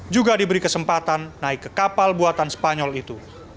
juga diberi kesempatan naik ke kapal buatan spanyol itu